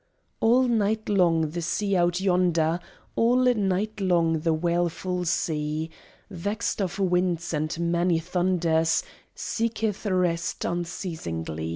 All night long the sea out yonder all night long the wailful sea, Vext of winds and many thunders, seeketh rest unceasingly!